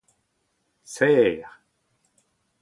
serr